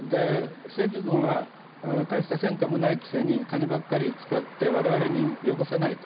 正規軍は大した戦果もないくせに金ばかり使って我々に寄越さないと。